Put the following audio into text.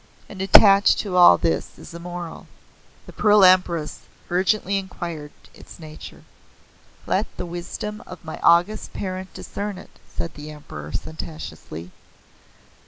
And attached to all this is a moral:" The Pearl Empress urgently inquired its nature. "Let the wisdom of my august parent discern it," said the Emperor sententiously.